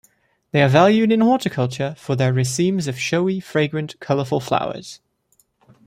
They are valued in horticulture for their racemes of showy, fragrant, colorful flowers.